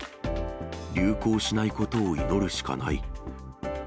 流行しないことを祈るしかない。